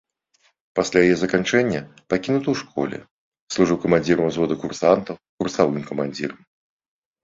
Пасля яе заканчэння пакінуты ў школе, служыў камандзірам узвода курсантаў, курсавым камандзірам.